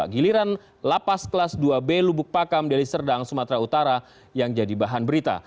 giliran lapas kelas dua b lubuk pakam dari serdang sumatera utara yang jadi bahan berita